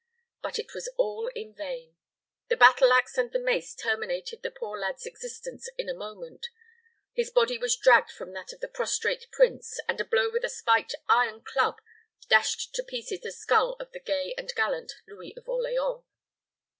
But it was all in vain. The battle ax and the mace terminated the poor lad's existence in a moment; his body was dragged from that of the prostrate prince; and a blow with a spiked iron club dashed to pieces the skull of the gay and gallant Louis of Orleans.